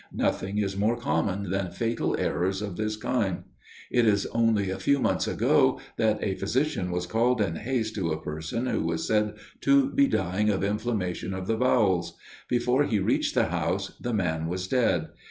Nothing is more common than fatal errors of this kind. It is only a few months ago, that a physician was called in haste to a person who was said to be dying of inflammation of the bowels. Before he reached the house the man was dead.